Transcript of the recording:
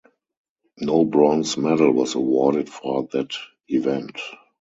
No bronze medal was awarded for that event.